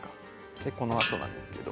でこのあとなんですけど。